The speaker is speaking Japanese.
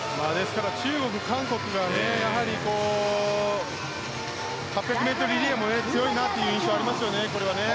中国と韓国が８００ｍリレーも強いなという印象があります。